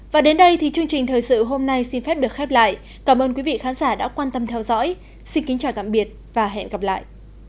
và đến đây thì chương trình thời sự hôm nay xin phép được khép lại cảm ơn quý vị khán giả đã quan tâm theo dõi xin kính chào tạm biệt và hẹn gặp lại